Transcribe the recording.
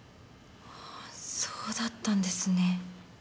そうだったんですね。